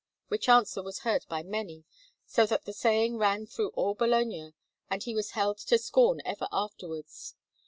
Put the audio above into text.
Which answer was heard by many, so that the saying ran through all Bologna, and he was held to scorn ever afterwards.